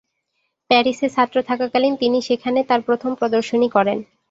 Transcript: প্যারিসে ছাত্র থাকাকালীন তিনি সেখানে তার প্রথম প্রদর্শনী করেন।